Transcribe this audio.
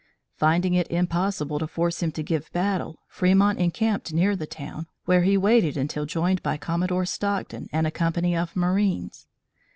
Finding it impossible to force him to give battle, Fremont encamped near the town, where he waited until joined by Commodore Stockton and a company of marines.